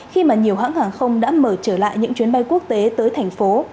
khi mà nhiều hãng hàng không đã mở trở lại những chuyến bay quốc tế tới thành phố